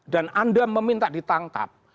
dan anda meminta ditangkap